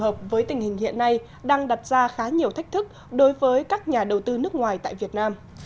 hợp với tình hình hiện nay đang đặt ra khá nhiều thách thức đối với các nhà đầu tư nước ngoài tại việt nam